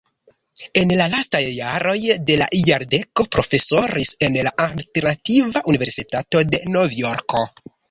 En la lastaj jaroj de la jardeko profesoris en la Alternativa Universitato de Novjorko.